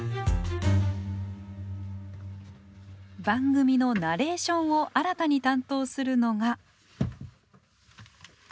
番組のナレーションを新たに担当するのが。